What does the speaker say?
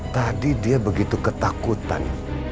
tadi dia begitu ketakutan